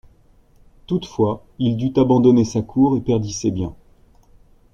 Toutefois, il dut abandonner sa cour et perdit ses biens.